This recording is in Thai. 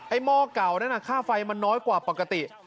หม้อเก่านั้นค่าไฟมันน้อยกว่าปกติ